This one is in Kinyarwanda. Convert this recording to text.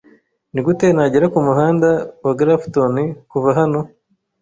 Nigute nagera kumuhanda wa Grafton kuva hano?